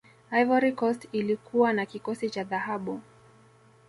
ivory coast ilikuwana kikosi cha dhahabu